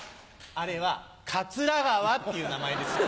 あれは桂川っていう名前ですよ。